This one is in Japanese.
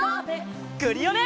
クリオネ！